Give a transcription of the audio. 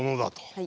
はい。